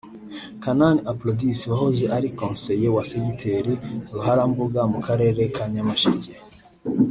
Kanani Aphrodis wahoze ari konseye wa Segiteri Ruharambuga mu karere ka Nyamasheke